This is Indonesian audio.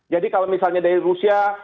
jadi kalau misalnya dari rusia